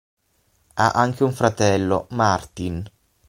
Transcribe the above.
Ha anche un fratello, Martin.